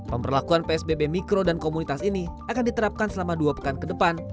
pemberlakuan psbb mikro dan komunitas ini akan diterapkan selama dua pekan ke depan